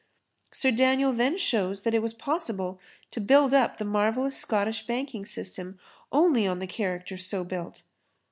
Sir Daniel then shows that it was possible to build up the marvellous Scottish banking system only on the character so built.